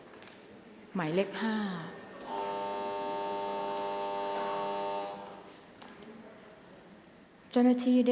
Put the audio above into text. ออกรางวัลเลขหน้า๓ตัวครั้งที่๑ค่ะ